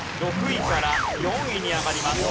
６位から４位に上がります。